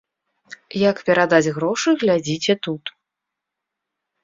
Як перадаць грошы глядзіце тут.